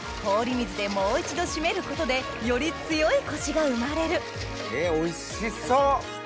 氷水でもう一度締めることでより強いコシが生まれるえおいしそう！